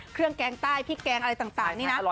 เครื่องแกงใต้พริกแกงอะไรต่างนี้นะ